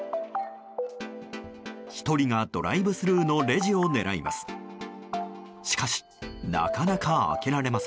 １人がドライブスルーのレジを狙います。